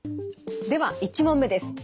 では１問目です。